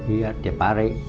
iya tiap hari